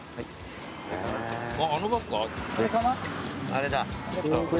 あれだ。